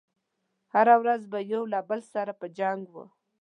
هره ورځ به يو له بل سره په جنګ و.